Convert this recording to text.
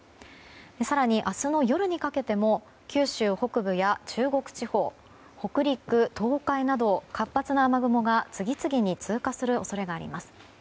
更に明日の夜にかけても九州北部や中国地方北陸、東海など活発な雨雲が次々に通過する恐れがあります。